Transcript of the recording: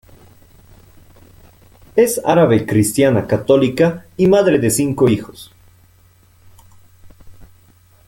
Es árabe cristiana católica y madre de cinco hijos.